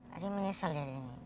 masih menyesal ya